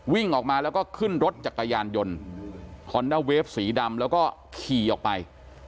วิ่งออกมาแล้วก็ขึ้นรถจักรยานยนต์ฮอนด้าเวฟสีดำแล้วก็ขี่ออกไป